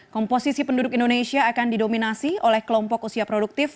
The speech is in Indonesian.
komposisi penduduk indonesia akan didominasi oleh kelompok usia produktif